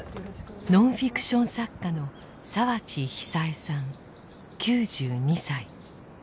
ノンフィクション作家の澤地久枝さん９２歳。